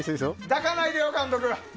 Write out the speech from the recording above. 抱かないでよ、監督。